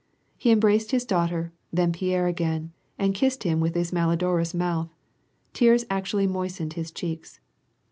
He embraced his daughter, then Pierre again, and kissed him with his malodo rous mouth. Tears actually moistened his cheeks.